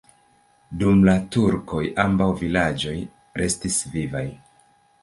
Dum la turkoj ambaŭ vilaĝoj restis vivaj.